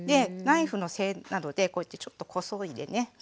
ナイフの背などでこうやってちょっとこそいでね